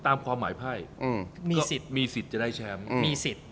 ตามความหมายไฟมีสิทธิ์จะได้แชมป์